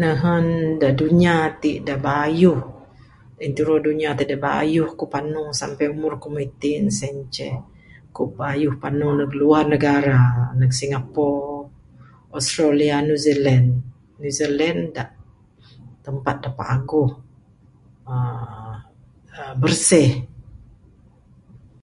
Nehen da dunya ti da bayuh, entiro dunya da bayuh ku panu sampe umur ku itin sien ceh ku bayuh panu neg luar negara. Neg Singapore, Australia, New Zealand. New Zealand da tempat da paguh aaa bersih.